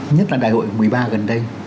nhất là đại hội một mươi ba gần đây